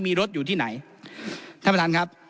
มีรถอยู่ที่ไหน